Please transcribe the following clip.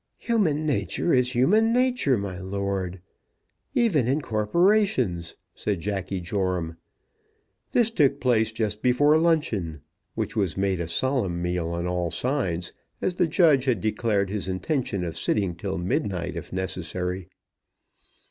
"Human nature is human nature, my lord, even in corporations," said Jacky Joram. This took place just before luncheon, which was made a solemn meal on all sides, as the judge had declared his intention of sitting till midnight, if necessary.